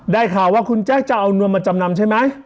ข่าวว่าคุณแจ๊คจะเอานวลมาจำนำใช่ไหม